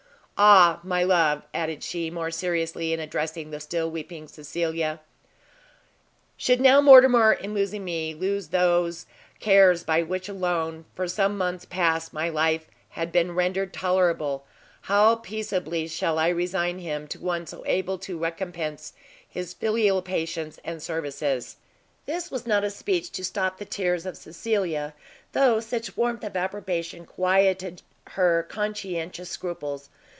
Ah, my love," added she, more seriously, and addressing the still weeping Cecilia, "should now Mortimer, in losing me, lose those cares by which alone, for some months past, my life has been rendered tolerable, how peaceably shall I resign him to one so able to recompense his filial patience and services!" This was not a speech to stop the tears of Cecilia, though such warmth of approbation quieted her conscientious scruples.